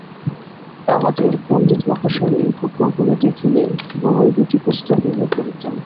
আমাদের পণ্ডিতমহাশয় এই কুকুরগুলা দেখিলে বড়োই ব্যতিব্যস্ত হইয়া পড়িতেন।